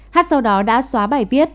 hát sau đó đã xóa bài viết